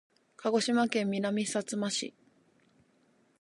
鹿児島県南さつま市